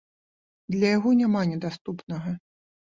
Для яго няма недаступнага.